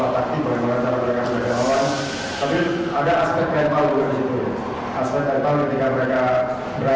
pada awal kami menyusun berjalan jalan di arab